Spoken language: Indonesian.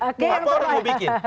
apa orang mau bikin